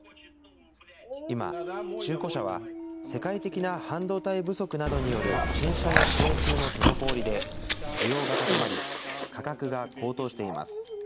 今、中古車は世界的な半導体不足などによる新車の供給の滞りで需要が高まり価格が高騰しています。